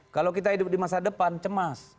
kalau kita hidup di masa depan cemas